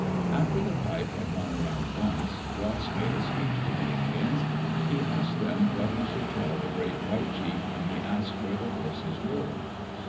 After the pipe had gone around once, Ross made a speech to the Indians. He asked them what he should tell the great white chief when he asked where the horses were.